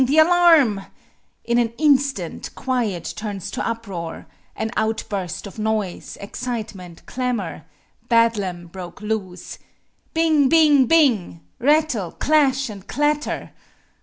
the alarm! In an instant quiet turns to uproar an outburst of noise, excitement, clamor bedlam broke loose; Bing! Bing! Bing! Rattle, clash and clatter.